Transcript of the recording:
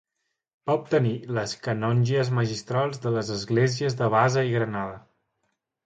Va obtenir les canongies magistrals de les esglésies de Baza i Granada.